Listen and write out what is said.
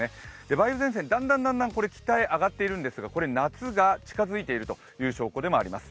梅雨前線、だんだん北へ上がっているんですがこれ、夏が近づいているという証拠でもあります。